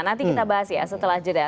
nanti kita bahas ya setelah jeda